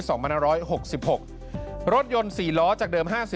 โทษภาพชาวนี้ก็จะได้ราคาใหม่